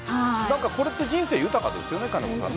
これって人生豊かですよね金子さん。